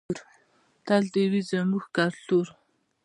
تل دې وي زموږ کلتور.